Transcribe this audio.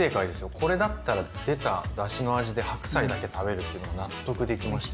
これだったら出ただしの味で白菜だけ食べるっていうの納得できました。